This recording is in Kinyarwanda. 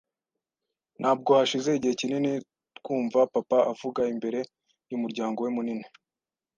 Ntabwo hashize igihe kinini twumva papa avuga imbere yumuryango we munini,